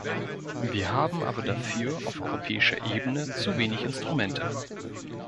Wir haben aber dafür auf europäischer Ebene zu wenig Instrumente.